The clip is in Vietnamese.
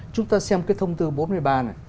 chúng ta xem cái thông tư bốn mươi ba này